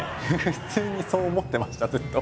普通にそう思ってましたずっと。